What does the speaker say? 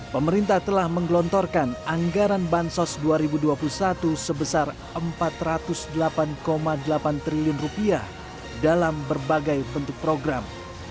pemerintah telah menggelontorkan anggaran bansos dua ribu dua puluh satu sebesar rp empat ratus delapan delapan triliun dalam berbagai bentuk program